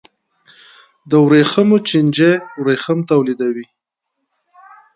د ورېښمو چینجی ورېښم تولیدوي